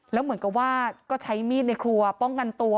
แล้วเหมือนกับว่าก็ใช้มีดในครัวป้องกันตัว